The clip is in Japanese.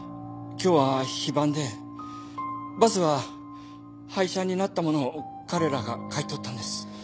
今日は非番でバスは廃車になったものを彼らが買い取ったんです。